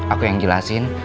aku yang jelasin